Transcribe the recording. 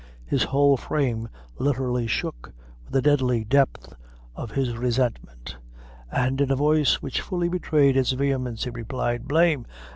His whole frame literally shook with the deadly depth of his resentment; and in a voice which fully betrayed its vehemence, he replied "Blame!